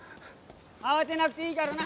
慌てなくていいからな。